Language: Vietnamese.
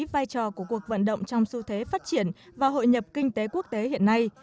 vai trò của cuộc vận động trong xu thế phát triển và hội nhập kinh tế quốc tế hiện nay